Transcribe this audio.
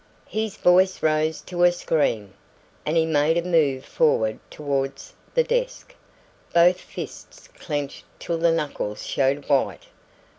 His voice rose to a scream, and he made a move forward towards the desk, both fists clenched till the knuckles showed white.